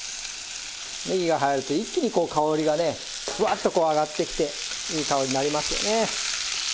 ねぎが入ると一気にこう香りがねフワッとこう上がってきていい香りになりますよね。